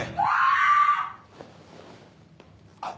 ・あっ。